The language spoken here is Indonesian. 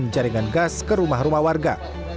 jaringan gas ke rumah rumah warga